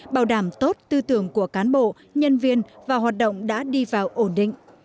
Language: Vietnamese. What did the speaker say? bảo đảm tốt tư tưởng của cán bộ nhân viên và hoạt động đã đi vào ổn định